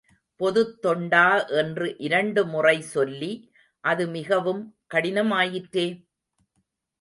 பொதுத் தொண்டா என்று இரண்டுமுறை சொல்லி, அது மிகவும் கடினமாயிற்றே?